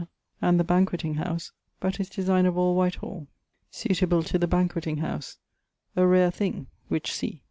and the Banquetting house, but his designe of all Whitehall, suiteable to the Banquetting house; a rare thing, which see.